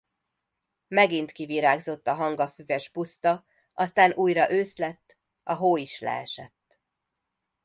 Megint kivirágzott a hangafüves puszta, aztán újra ősz lett, a hó is leesett.